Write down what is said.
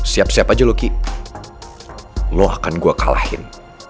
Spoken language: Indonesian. siap siap aja lo ki lo akan gue kalahin